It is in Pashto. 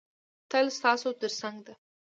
تل ستاسو تر څنګ ده.